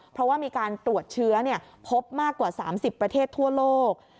เพราะว่ามีการตรวจเชื้อพบมากกว่า๓๐ประเทศทั่วโลก